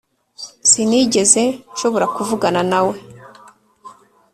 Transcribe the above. sinigeze nshobora kuvugana nawe.